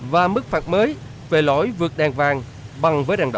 và mức phạt mới về lỗi vượt đèn vàng bằng với đèn đỏ